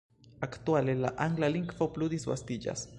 Aktuale la angla lingvo plu disvastiĝas.